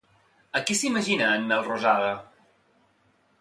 A qui s'imagina en Melrosada?